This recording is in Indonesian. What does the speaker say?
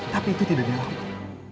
tapi itu tidak dianggap